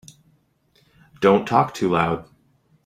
Don't talk too loud.